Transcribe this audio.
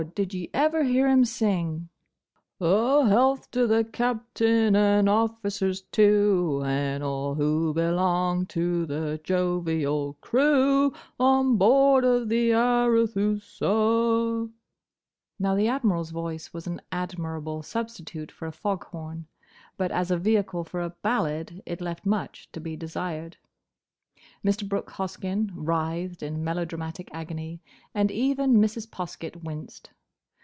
Did ye ever hear him sing: 'A health to the Captain and officers too, And all who belong to the jovial crew On board of the Arethusa'?" Now, the Admiral's voice was an admirable substitute for a fog horn, but as a vehicle for a ballad, it left much to be desired. Mr. Brooke Hoskyn writhed in melodramatic agony, and even Mrs. Poskett winced.